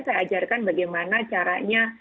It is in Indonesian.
saya ajarkan bagaimana caranya